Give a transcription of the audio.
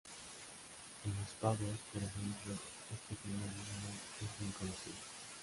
En los pavos, por ejemplo, este fenómeno es bien conocido.